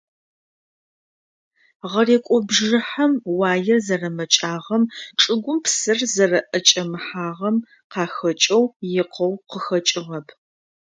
Гъэрекӏо бжьыхьэм уаер зэрэмэкӏагъэм, чӏыгум псыр зэрэӏэкӏэмыхьагъэм къахэкӏэу икъоу къыхэкӏыгъэп.